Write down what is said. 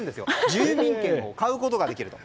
住民権を買うことができると。